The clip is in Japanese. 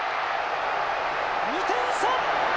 ２点差！